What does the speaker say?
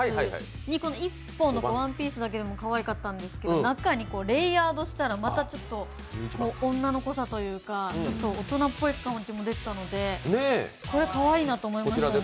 １本のワンピースだけでもかわいかったんですけど、中にレイヤードしたら、また女の子さというか大人っぽい感じも出てたので、これかわいいなと思いましたね。